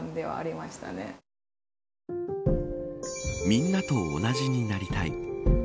みんなと同じになりたい。